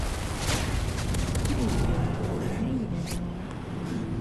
Cars, metal, tile, and foods are the main industries in the city.